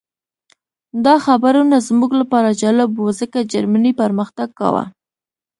دا خبرونه زموږ لپاره جالب وو ځکه جرمني پرمختګ کاوه